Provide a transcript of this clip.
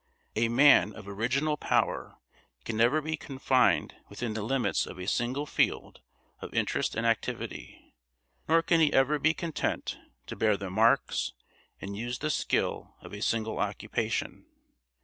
A man of original power can never be confined within the limits of a single field of interest and activity, nor can he ever be content to bear the marks and use the skill of a single occupation.